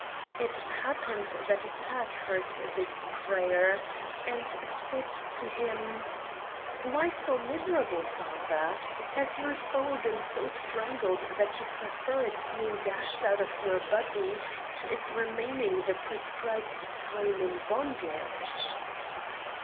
It happened that a Turk heard this prayer, and said to him: "Why so miserable, father? Has your soul been so strangled that you prefer its being dashed out of your body, to its remaining the prescribed time in bondage?"